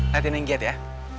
latihan yang giat ya